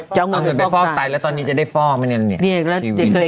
เขาไปฟอกไตฟอกไตแล้วจะได้ได้ได้มาอยู่ค่ะ